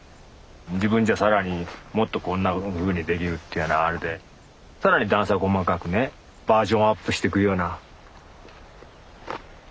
自分じゃ更にもっとこんなふうにできるっていうようなあれで更に段差細かくねバージョンアップしてくような。